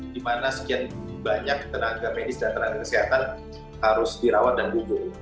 di mana sekian banyak tenaga medis dan tenaga kesehatan harus dirawat dan gugur